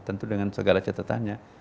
tentu dengan segala catatannya